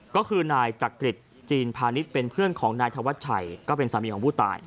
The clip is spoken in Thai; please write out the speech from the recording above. ก็คือนายจักริจจีนพาณิชย์เป็นเพื่อนของนายธวัชชัยก็เป็นสามีของผู้ตาย